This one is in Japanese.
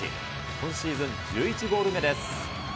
今シーズン１１ゴール目です。